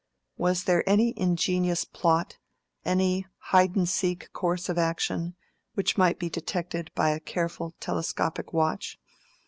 Was there any ingenious plot, any hide and seek course of action, which might be detected by a careful telescopic watch?